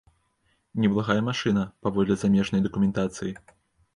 Неблагая машына, паводле замежнай дакументацыі.